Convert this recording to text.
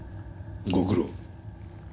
ご苦労。